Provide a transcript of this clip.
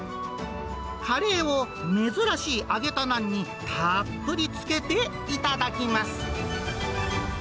カレーを珍しい揚げたナンにたっぷりつけて頂きます。